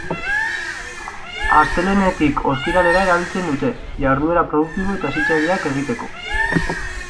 Astelehenetik ostiralera erabiltzen dute, jarduera produktibo eta hezitzaileak egiteko.